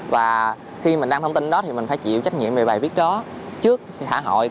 và khi mình đăng thông tin đó thì mình phải chịu trách nhiệm về bài viết đó trước xã hội